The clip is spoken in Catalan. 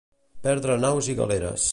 Perdre naus i galeres.